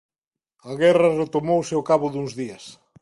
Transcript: A guerra retomouse ao cabo duns días.